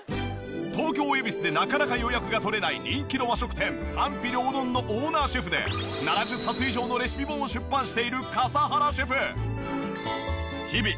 東京恵比寿でなかなか予約が取れない人気の和食店賛否両論のオーナーシェフで７０冊以上のレシピ本を出版している笠原シェフ。